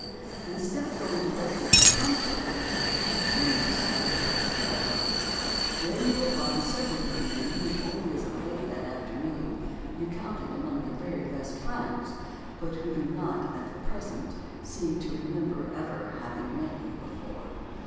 Instead of going directly to the punch bowl, you should turn your steps toward the "stag line." There you will find several young men whom only as late as that afternoon you counted among your very best friends, but who do not, at the present, seem to remember ever having met you before.